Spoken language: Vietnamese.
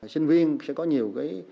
sinh viên sẽ có nhiều cái